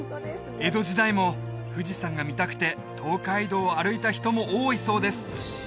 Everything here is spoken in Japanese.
江戸時代も富士山が見たくて東海道を歩いた人も多いそうです